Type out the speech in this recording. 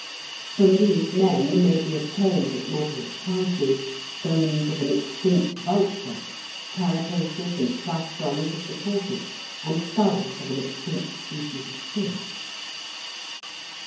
From these men may be obtained at moderate prices bones of an extinct vulture, carapaces and plastrons of the tortoise, and skulls of an extinct species of fish.